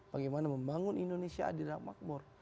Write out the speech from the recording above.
bagaimana membangun indonesia adil dan makmur